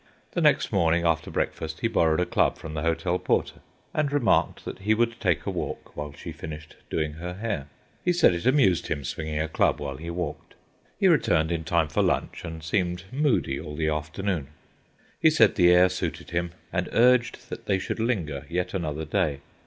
The next morning after breakfast he borrowed a club from the hotel porter, and remarked that he would take a walk while she finished doing her hair. He said it amused him, swinging a club while he walked. He returned in time for lunch and seemed moody all the afternoon. He said the air suited him, and urged that they should linger yet another day.